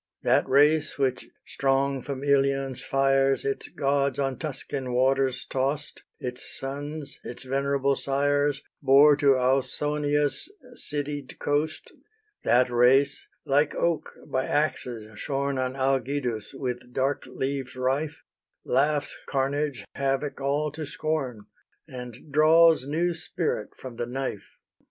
That race which, strong from Ilion's fires, Its gods, on Tuscan waters tost, Its sons, its venerable sires, Bore to Ausonia's citied coast; That race, like oak by axes shorn On Algidus with dark leaves rife, Laughs carnage, havoc, all to scorn, And draws new spirit from the knife.